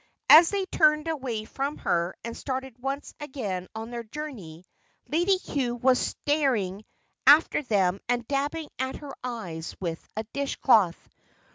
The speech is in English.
As they turned away from her and started once again on their journey, Lady Cue was staring after them and dabbing at her eyes with a dish cloth.